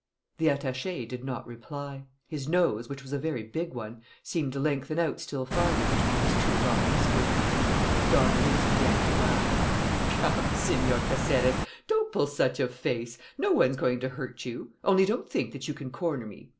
The attaché did not reply. His nose, which was a very big one, seemed to lengthen out still farther between his two long whiskers. Don Luis began to laugh. "Come, Señor Caceres, don't pull such a face! No one's going to hurt you. Only don't think that you can corner me.